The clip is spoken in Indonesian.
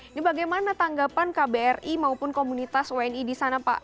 ini bagaimana tanggapan kbri maupun komunitas wni di sana pak